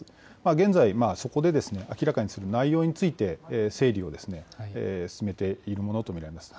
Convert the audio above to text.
現在、そこで明らかにする内容について、整理を進めているものと見られます。